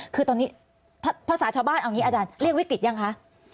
คือตอนนี้ภาษาชาวบ้านอาจารย์เรียกวิกฤทธิ์หรือยังคะ